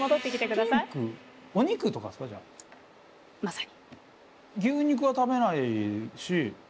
まさに。